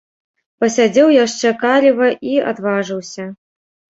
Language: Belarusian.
Пасядзеў яшчэ каліва і адважыўся.